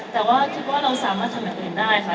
แต่ว่าคิดว่าเราสามารถทำอย่างอื่นได้ค่ะ